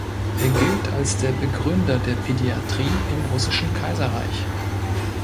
Er gilt als der Begründer der Pädiatrie im Russischen Kaiserreich.